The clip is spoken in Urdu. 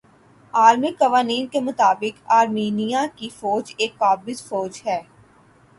عالمی قوانین کے مطابق آرمینیا کی فوج ایک قابض فوج ھے